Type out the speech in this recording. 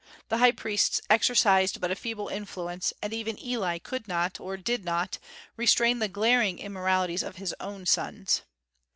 The high priests exercised but a feeble influence; and even Eli could not, or did not, restrain the glaring immoralities of his own sons.